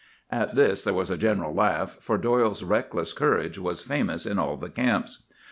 "At this there was a general laugh; for Doyle's reckless courage was famous in all the camps.